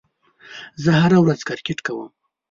زه هره ورځ کرېکټ کوم.